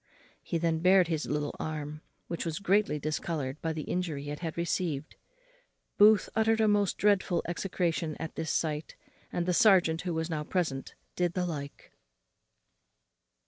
He then bared his little arm, which was greatly discoloured by the injury it had received. Booth uttered a most dreadful execration at this sight, and the serjeant, who was now present, did the like.